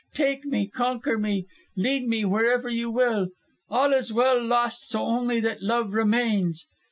Take me; conquer me; lead me wherever you will. All is well lost so only that love remains.'